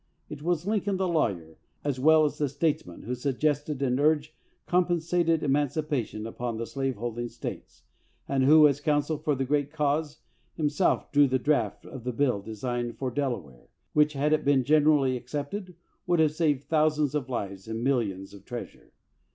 It was Lincoln the lawyer as well as the states man who suggested and urged compensated 304 AS PRESIDENT emancipation upon the slave holding States, and who, as counsel for that great cause, himself drew the draft of the bill designed for Delaware, which, had it been generally accepted, would have saved thousands of lives and millions of treasure.